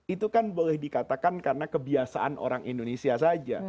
itu kan boleh dikatakan karena kebiasaan orang indonesia saja